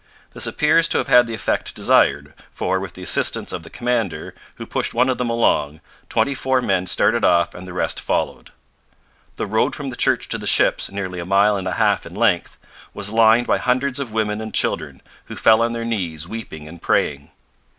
This appears to have had the effect desired, for, with the assistance of the commander, who pushed one of them along, twenty four men started off and the rest followed. The road from the church to the ships, nearly a mile and a half in length, was lined by hundreds of women and children, who fell on their knees weeping and praying.